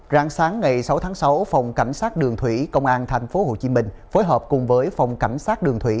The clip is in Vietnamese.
rạng sáng ngày sáu tháng sáu phòng cảnh sát đường thủy công an tp hcm phối hợp cùng với phòng cảnh sát đường thủy